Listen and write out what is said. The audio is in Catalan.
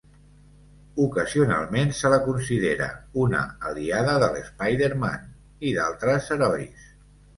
Ocasionalment, se la considera una aliada de l'Spider-Man i d'altres herois.